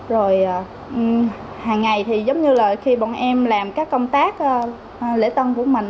rồi hàng ngày thì giống như là khi bọn em làm các công tác lễ tân của mình